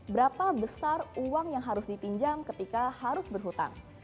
berapa besar uang yang harus dipinjam ketika harus berhutang